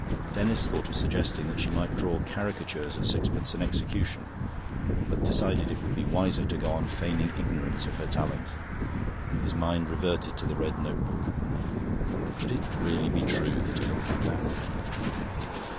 Denis thought of suggesting that she might draw caricatures at sixpence an execution, but decided it would be wiser to go on feigning ignorance of her talent. His mind reverted to the red notebook. Could it really be true that he looked like that?